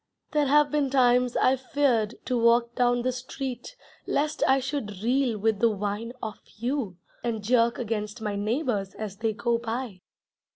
There have been times I feared to walk down the street Lest I should reel with the wine of you, And jerk against my neighbours As they go by.